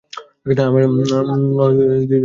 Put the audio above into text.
আমার অভেদ্য বর্ম পেরিয়ে কেউ ভেতরে প্রবেশ করতে পারে না।